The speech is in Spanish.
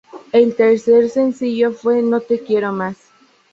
El tercer sencillo fue "No te quiero más".